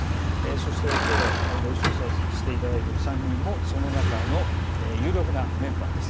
そして、今日、御一緒していただいている３人もその中の有力なメンバーです。